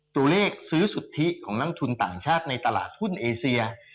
ตัวเลขซื้อสุทธิของนักทุนต่างชาติในตลาดหุ้นเอเซีย